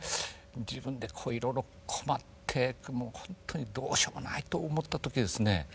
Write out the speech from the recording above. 自分でいろいろ困って本当にどうしようもないと思った時ですね